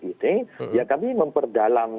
ini ya kami memperdalam